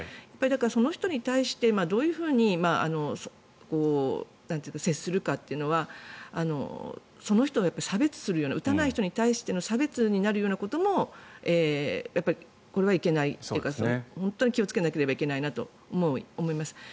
その人に対してどういうふうに接するかというのはその人を差別するような打たない人に対しての差別になるようなこともやっぱりこれはいけないというか本当に気をつけなければいけないなと思います。